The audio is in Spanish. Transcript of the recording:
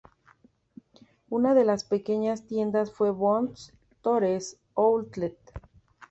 Una de las pequeñas tiendas fue Bond Stores outlet.